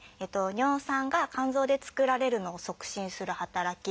尿酸が肝臓で作られるのを促進する働き